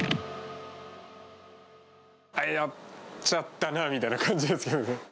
やっちゃったなみたいな感じですけどね。